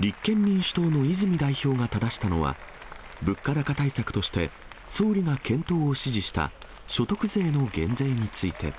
立憲民主党の泉代表がただしたのは、物価高対策として総理が検討を指示した所得税の減税について。